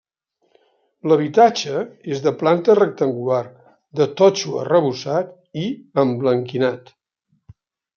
L'habitatge és de planta rectangular, de totxo arrebossat i emblanquinat.